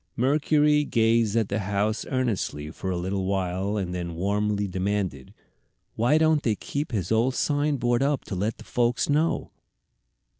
Mercury gazed at the house earnestly for a little while and then warmly demanded, "Why don't they keep his old sign board up to let folks know?"